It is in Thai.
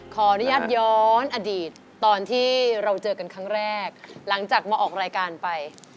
ขออนุญาตย้อนอดีตตอนที่เราเจอกันครั้งแรกหลังจากมาออกรายการไป